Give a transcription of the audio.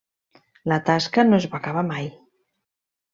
La tasca no es va acabar mai.